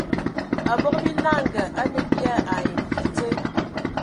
Abog binanga a nə bia ai mfi dze.